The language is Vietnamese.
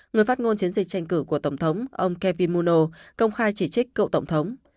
người phát ngôn chiến dịch tranh cử của tổng thống ông kevin muno công khai chỉ trích cựu tổng thống